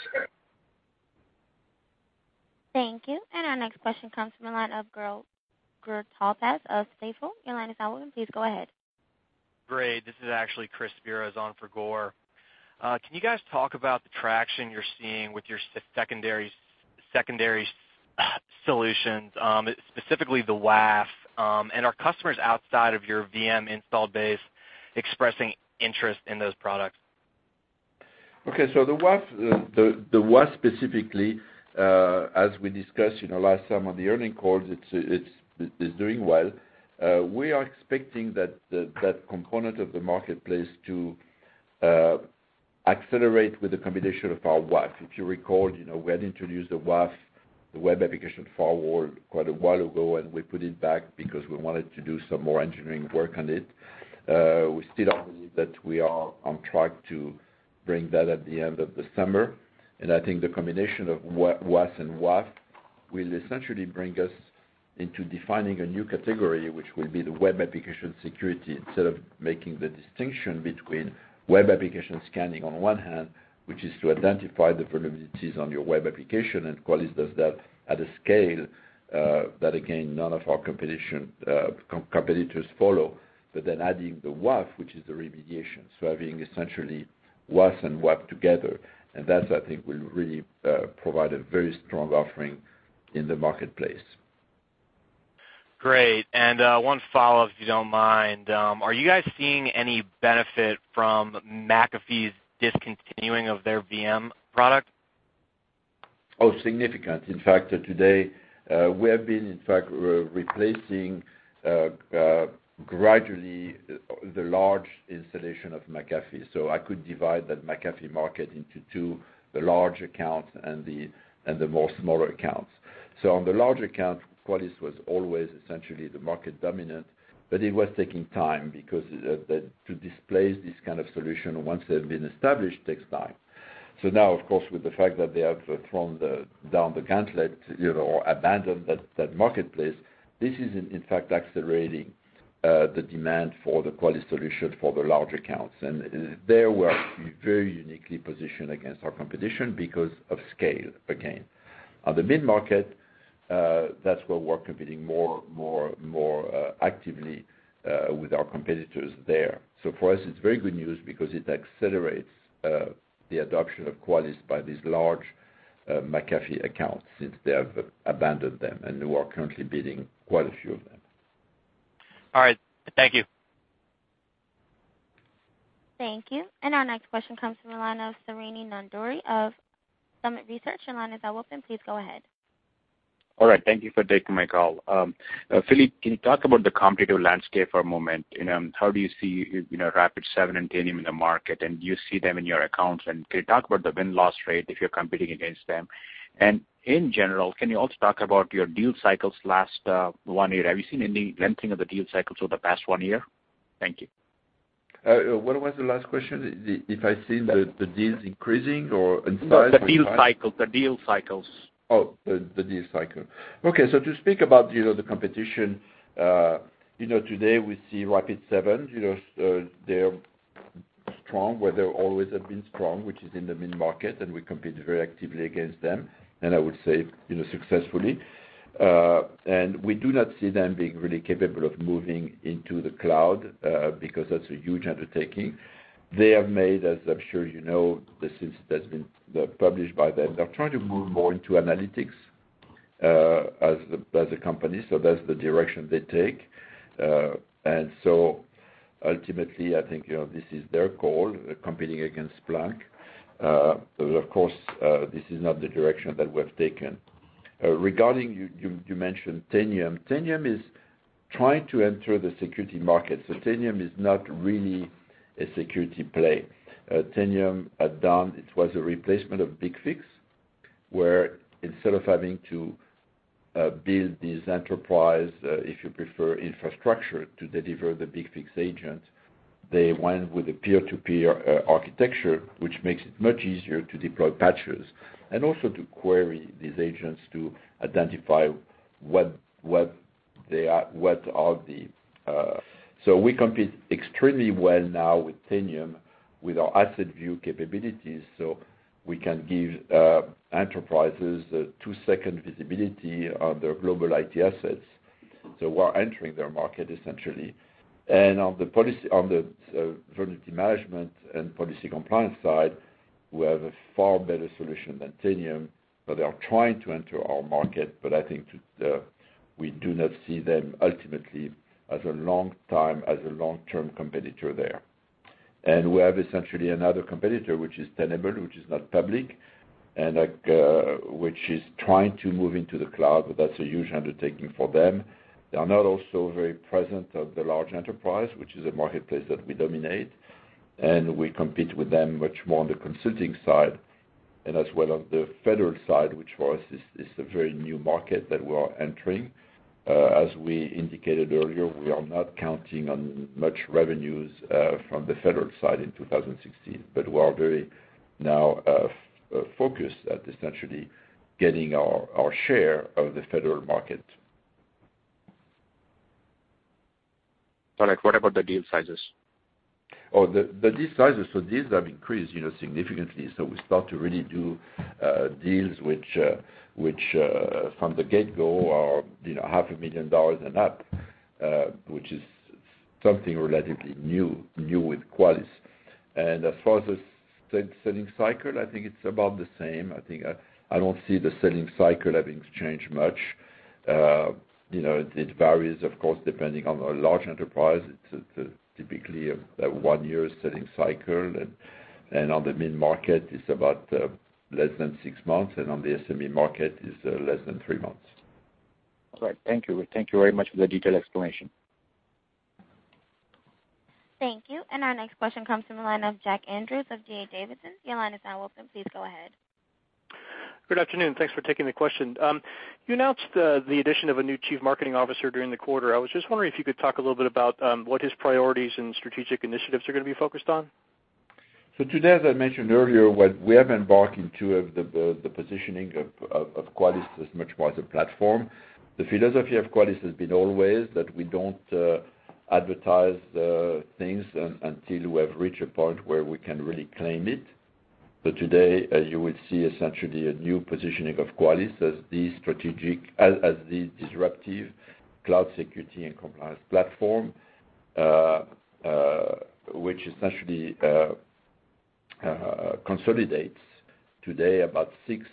Thank you. Our next question comes from the line of Gur Talpaz of Stifel. Your line is now open. Please go ahead. Great. This is actually Chris Speros on for Gur. Can you guys talk about the traction you're seeing with your secondary solutions, specifically the WAF? Are customers outside of your VM install base expressing interest in those products? Okay. The WAF specifically, as we discussed last time on the earnings calls, it's doing well. We are expecting that component of the marketplace to accelerate with the combination of our WAF. If you recall, we had introduced the WAF, the Web Application Firewall, quite a while ago. We put it back because we wanted to do some more engineering work on it. We still believe that we are on track to bring that at the end of the summer. I think the combination of WAS and WAF will essentially bring us into defining a new category, which will be the web application security, instead of making the distinction between web application scanning on one hand, which is to identify the vulnerabilities on your web application, and Qualys does that at a scale that, again, none of our competitors follow. Adding the WAF, which is the remediation. Having essentially WAS and WAF together, that, I think, will really provide a very strong offering in the marketplace. Great. One follow-up, if you don't mind. Are you guys seeing any benefit from McAfee's discontinuing of their VM product? Significant. In fact, today, we have been replacing gradually the large installation of McAfee. I could divide that McAfee market into two, the large accounts and the more smaller accounts. On the large accounts, Qualys was always essentially the market dominant, but it was taking time because to displace this kind of solution once they've been established takes time. Now, of course, with the fact that they have thrown down the gauntlet or abandoned that marketplace, this is in fact accelerating the demand for the Qualys solution for the large accounts. There we're very uniquely positioned against our competition because of scale, again. On the mid-market, that's where we're competing more actively with our competitors there. For us, it's very good news because it accelerates the adoption of Qualys by these large McAfee accounts since they have abandoned them, and we are currently bidding quite a few of them. All right. Thank you. Thank you. Our next question comes from the line of Srini Nandury of Summit Redstone. Your line is now open. Please go ahead. All right. Thank you for taking my call. Philippe, can you talk about the competitive landscape for a moment? How do you see Rapid7 and Tanium in the market, do you see them in your accounts? Can you talk about the win-loss rate if you're competing against them? In general, can you also talk about your deal cycles the last one year? Have you seen any lengthening of the deal cycles over the past one year? Thank you. What was the last question? If I've seen the deals increasing or in size? No, the deal cycles. Oh, the deal cycle. Okay, to speak about the competition, today we see Rapid7, they're strong where they always have been strong, which is in the mid-market, and we compete very actively against them, and I would say successfully. We do not see them being really capable of moving into the cloud because that's a huge undertaking. They have made, as I'm sure you know this, since that's been published by them, they're trying to move more into analytics as a company, so that's the direction they take. Ultimately, I think this is their goal, competing against Splunk. Of course, this is not the direction that we have taken. Regarding, you mentioned Tanium. Tanium is trying to enter the security market. Tanium is not really a security play. Tanium, at dawn, it was a replacement of BigFix, where instead of having to build this enterprise, if you prefer, infrastructure to deliver the BigFix agent, they went with a peer-to-peer architecture, which makes it much easier to deploy patches and also to query these agents to identify. We compete extremely well now with Tanium, with our asset view capabilities, so we can give enterprises a two-second visibility on their global IT assets. We're entering their market, essentially. On the vulnerability management and policy compliance side, we have a far better solution than Tanium, but they are trying to enter our market. I think we do not see them ultimately as a long-term competitor there. We have essentially another competitor, which is Tenable, which is not public, and which is trying to move into the cloud, but that's a huge undertaking for them. They are not also very present of the large enterprise, which is a marketplace that we dominate, and we compete with them much more on the consulting side, and as well as the federal side, which for us is a very new market that we are entering. As we indicated earlier, we are not counting on much revenues from the federal side in 2016. We are very now focused at essentially getting our share of the federal market. Philippe, what about the deal sizes? The deal sizes, deals have increased significantly. We start to really do deals which, from the get-go, are half a million dollars and up, which is something relatively new with Qualys. As far as the selling cycle, I think it's about the same. I don't see the selling cycle having changed much. It varies, of course, depending on a large enterprise, it's typically a one-year selling cycle, and on the mid-market, it's about less than six months, and on the SME market, it's less than three months. All right. Thank you. Thank you very much for the detailed explanation. Thank you. Our next question comes from the line of Jack Andrews of D.A. Davidson. Your line is now open. Please go ahead. Good afternoon. Thanks for taking the question. You announced the addition of a new chief marketing officer during the quarter. I was just wondering if you could talk a little bit about what his priorities and strategic initiatives are going to be focused on. As I mentioned earlier, we have embarked into the positioning of Qualys as much more as a platform. The philosophy of Qualys has been always that we don't advertise things until we have reached a point where we can really claim it. Today, as you will see, essentially a new positioning of Qualys as the disruptive cloud security and compliance platform, which essentially consolidates today about six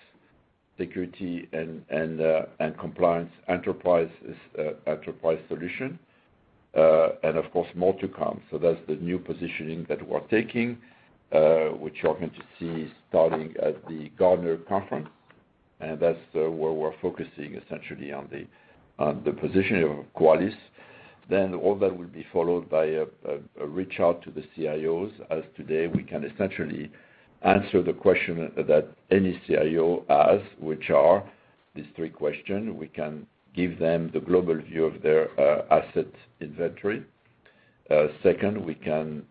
security and compliance enterprise solution. Of course, more to come. That's the new positioning that we're taking, which you are going to see starting at the Gartner conference. That's where we're focusing essentially on the positioning of Qualys. All that will be followed by a reach out to the CIOs, as today we can essentially answer the question that any CIO has, which are these three question. We can give them the global view of their asset inventory. Second, we can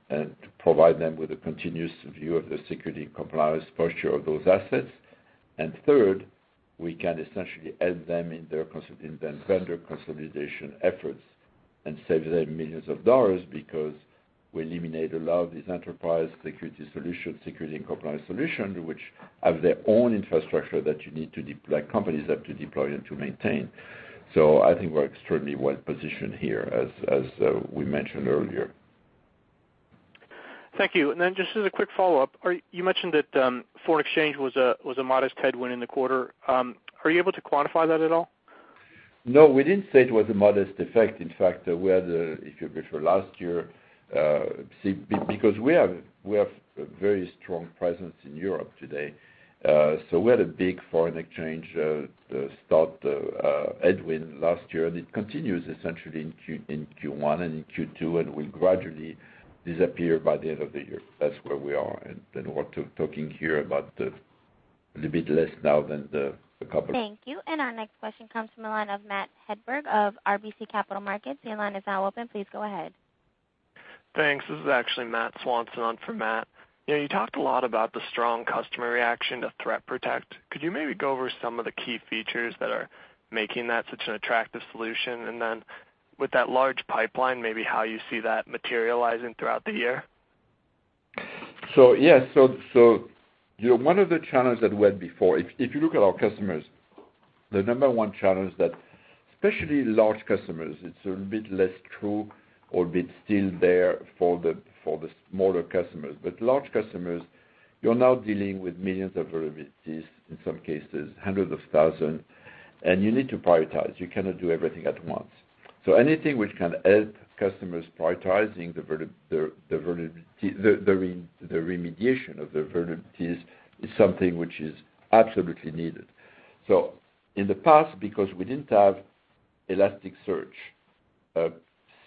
provide them with a continuous view of the security compliance posture of those assets. Third, we can essentially aid them in their vendor consolidation efforts and save them millions of dollars because we eliminate a lot of these enterprise security and compliance solution, which have their own infrastructure that companies have to deploy and to maintain. I think we're extremely well-positioned here, as we mentioned earlier. Thank you. Just as a quick follow-up, you mentioned that foreign exchange was a modest headwind in the quarter. Are you able to quantify that at all? No, we didn't say it was a modest effect. In fact, if you refer last year, because we have a very strong presence in Europe today, we had a big foreign exchange start headwind last year, it continues essentially in Q1 and in Q2, will gradually disappear by the end of the year. That's where we are, what we're talking here about a little bit less now than the couple. Thank you. Our next question comes from the line of Matthew Hedberg of RBC Capital Markets. Your line is now open. Please go ahead. Thanks. This is actually Matthew Swanson on for Matt. You talked a lot about the strong customer reaction to Threat Protection. Could you maybe go over some of the key features that are making that such an attractive solution? With that large pipeline, maybe how you see that materializing throughout the year? One of the challenges that we had before, if you look at our customers, the number one challenge that, especially large customers, it's a bit less true or a bit still there for the smaller customers. Large customers, you're now dealing with millions of vulnerabilities, in some cases hundreds of thousand, and you need to prioritize. You cannot do everything at once. Anything which can help customers prioritizing the remediation of their vulnerabilities is something which is absolutely needed. In the past, because we didn't have Elasticsearch,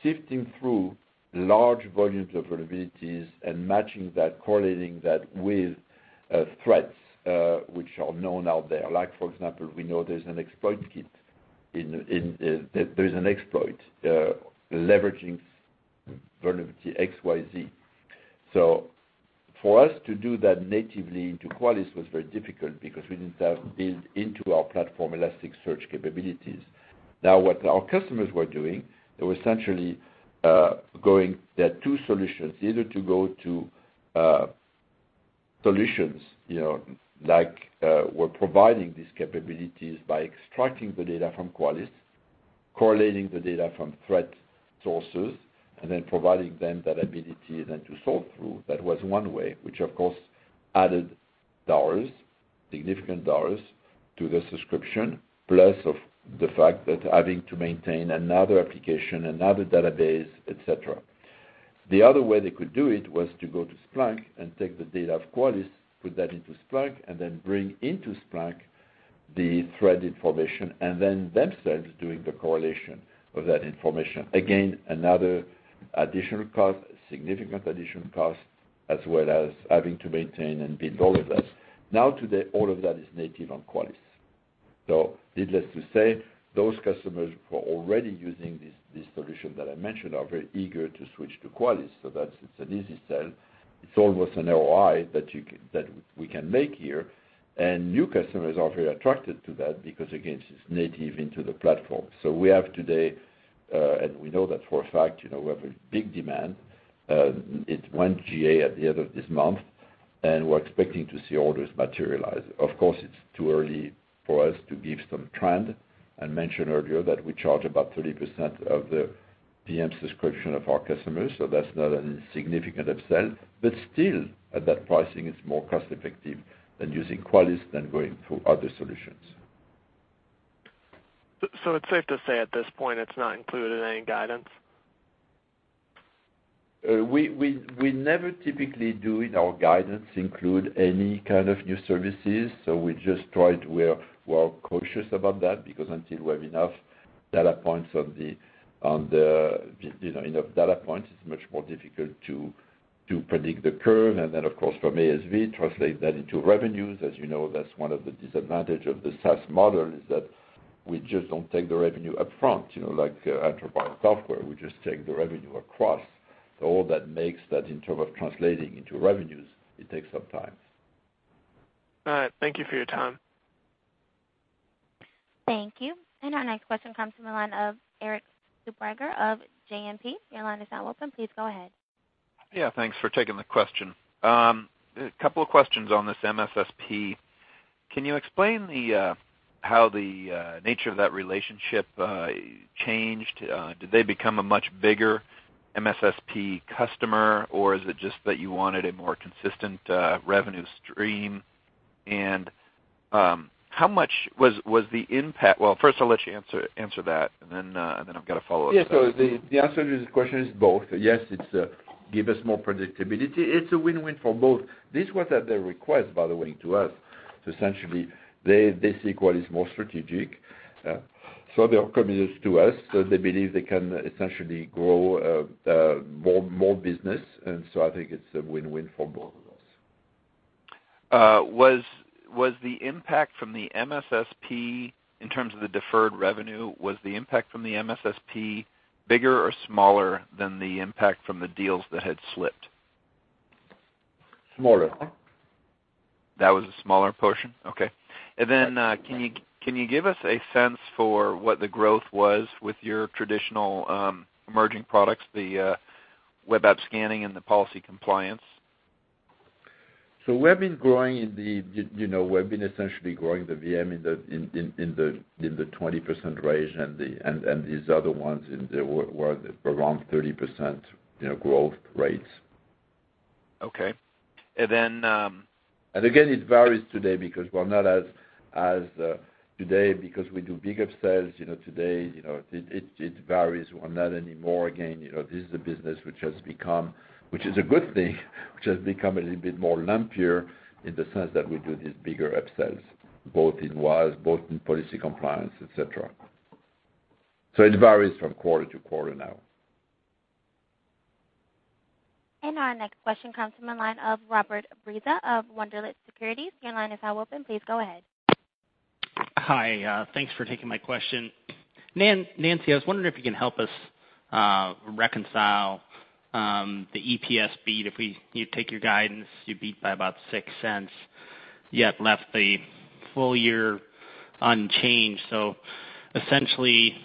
sifting through large volumes of vulnerabilities and matching that, correlating that with threats which are known out there. Like for example, we know there's an exploit leveraging vulnerability XYZ. For us to do that natively into Qualys was very difficult because we didn't have built into our platform, Elasticsearch capabilities. What our customers were doing, they had two solutions, either to go to solutions, like we're providing these capabilities by extracting the data from Qualys, correlating the data from threat sources, and providing them that ability then to sort through. That was one way, which of course added dollars, significant dollars to the subscription, plus of the fact that having to maintain another application, another database, et cetera. The other way they could do it was to go to Splunk and take the data of Qualys, put that into Splunk, and bring into Splunk the threat information and themselves doing the correlation of that information. Again, another additional cost, significant additional cost, as well as having to maintain and build all of that. Today, all of that is native on Qualys. Needless to say, those customers who are already using this solution that I mentioned are very eager to switch to Qualys, that's an easy sell. It's almost an ROI that we can make here. New customers are very attracted to that because, again, it's native into the platform. We have today, and we know that for a fact, we have a big demand. It went GA at the end of this month, and we're expecting to see orders materialize. Of course, it's too early for us to give some trend. I mentioned earlier that we charge about 30% of the VM subscription of our customers, that's not an insignificant upsell. Still, at that pricing, it's more cost-effective than using Qualys than going through other solutions. It's safe to say at this point it's not included in any guidance? We never typically do, in our guidance, include any kind of new services. We're cautious about that because until we have enough data points, it's much more difficult to predict the curve and then of course from ACV, translate that into revenues. As you know, that's one of the disadvantage of the SaaS model is that we just don't take the revenue up front, like enterprise software. We just take the revenue across. All that makes that in terms of translating into revenues, it takes some time. All right. Thank you for your time. Thank you. Our next question comes from the line of Erik Suppiger of JMP. Your line is now open. Please go ahead. Thanks for taking the question. A couple of questions on this MSSP. Can you explain how the nature of that relationship changed? Did they become a much bigger MSSP customer, or is it just that you wanted a more consistent revenue stream? Well, first I'll let you answer that, and then I've got a follow-up. The answer to this question is both. Yes, it give us more predictability. It's a win-win for both. This was at their request, by the way, to us. Essentially, they see Qualys more strategic. They are committed to us, they believe they can essentially grow more business, I think it's a win-win for both of us. Was the impact from the MSSP, in terms of the deferred revenue, was the impact from the MSSP bigger or smaller than the impact from the deals that had slipped? Smaller. That was a smaller portion? Okay. Right. Can you give us a sense for what the growth was with your traditional emerging products, the web app scanning and the policy compliance? We've been essentially growing the VM in the 20% range and these other ones were around 30% growth rates. Okay. Again, it varies today because we do bigger upsells today, it varies. We're not anymore, again, this is a business which has become, which is a good thing, which has become a little bit more lumpier in the sense that we do these bigger upsells, both in WAS, both in policy compliance, et cetera. It varies from quarter to quarter now. Our next question comes from the line of Robert Breza of Wunderlich Securities. Your line is now open. Please go ahead. Hi. Thanks for taking my question. Nancy, I was wondering if you can help us reconcile the EPS beat. You take your guidance, you beat by about $0.06, yet left the full year unchanged. Essentially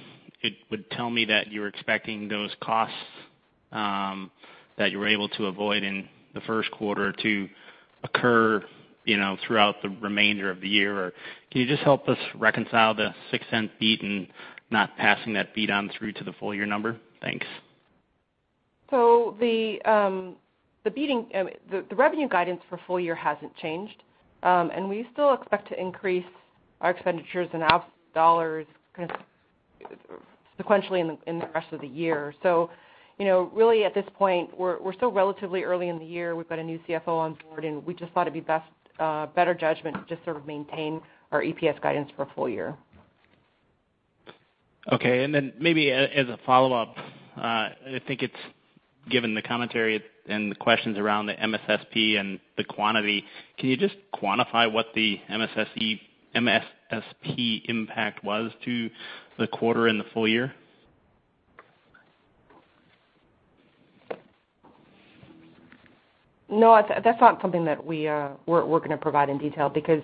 it would tell me that you're expecting those costs that you were able to avoid in the first quarter to occur throughout the remainder of the year. Can you just help us reconcile the $0.06 beat and not passing that beat on through to the full-year number? Thanks. The revenue guidance for full year hasn't changed. We still expect to increase our expenditures in absolute dollars sequentially in the rest of the year. Really at this point, we're still relatively early in the year. We've got a new CFO on board. We just thought it'd be better judgment to just sort of maintain our EPS guidance for full year. Okay, then maybe as a follow-up, I think it's given the commentary and the questions around the MSSP and Qualys, can you just quantify what the MSSP impact was to the quarter and the full year? No, that's not something that we're going to provide in detail because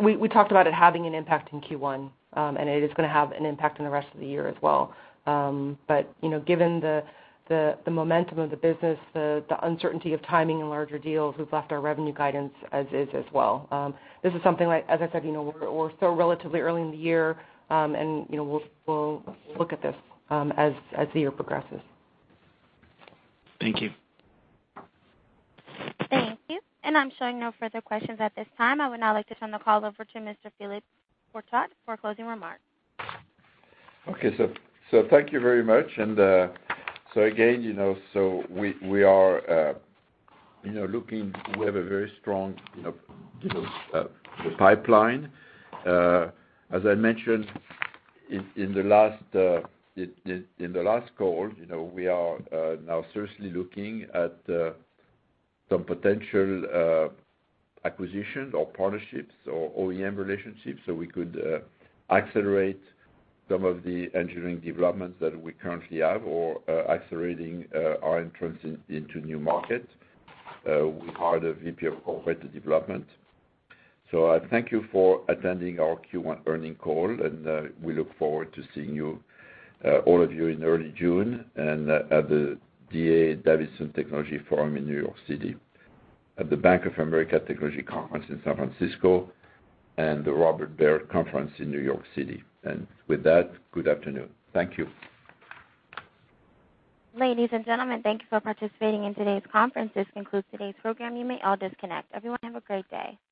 we talked about it having an impact in Q1, and it is going to have an impact on the rest of the year as well. Given the momentum of the business, the uncertainty of timing in larger deals, we've left our revenue guidance as is as well. This is something like, as I said, we're still relatively early in the year, and we'll look at this as the year progresses. Thank you. Thank you. I'm showing no further questions at this time. I would now like to turn the call over to Mr. Philippe Courtot for closing remarks. Okay, thank you very much. Again, we have a very strong pipeline. As I mentioned in the last call, we are now seriously looking at some potential acquisitions or partnerships or OEM relationships so we could accelerate some of the engineering developments that we currently have or accelerating our entrance into new markets with our VP of corporate development. I thank you for attending our Q1 earning call, and we look forward to seeing all of you in early June and at the D.A. Davidson Technology Forum in New York City, at the Bank of America Technology Conference in San Francisco, and the Robert W. Baird Conference in New York City. With that, good afternoon. Thank you. Ladies and gentlemen, thank you for participating in today's conference. This concludes today's program. You may all disconnect. Everyone have a great day.